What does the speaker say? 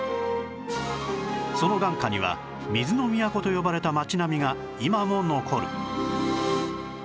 その眼下には「水の都」と呼ばれた町並みが今も残る